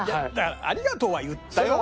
「ありがとう」は言ったよ。